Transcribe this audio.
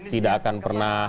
tidak akan pernah